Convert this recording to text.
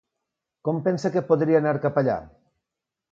Com pensa que podria anar cap allà?